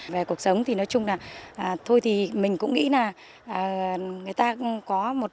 về cuộc sống thì nói chung là thôi thì mình cũng nghĩ là người ta cũng có một